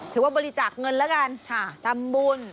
ถือว่าบริจาคเงินแล้วกันทำบุญ